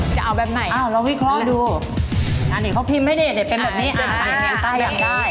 จะเอาแบบไหนนี่ดูอันนี้เขาพิมพ์ให้นี่เป็นแบบนี้อ่ะนี่แปลงได้